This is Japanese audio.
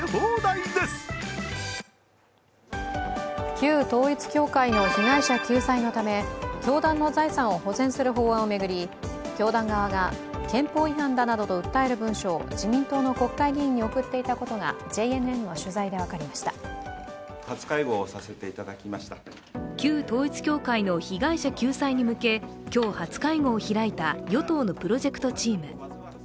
旧統一教会の被害者救済のため教団の財産を保全する法案を巡り教団側が憲法違反だなどと訴える文書を自民党の国会議員に送っていたことが旧統一教会の被害者救済に向け今日、初会合を開いた与党のプロジェクトチーム。